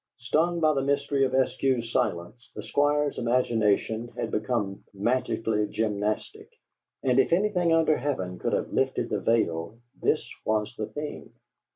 Stung by the mystery of Eskew's silence, the Squire's imagination had become magically gymnastic; and if anything under heaven could have lifted the veil, this was the thing.